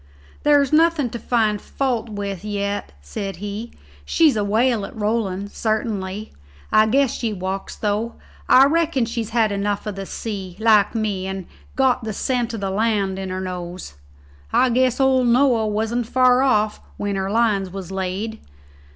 "There's nothing to find fault with yet," said he; "she's a whale at rolling, sartinly. I guess she walks, though. I reckon she's had enough of the sea, like me, and's got the scent o' the land in her nose. I guess old Noah wasn't far off when her lines was laid.